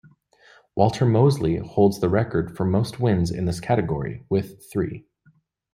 Walter Mosley holds the record for most wins in this category, with three.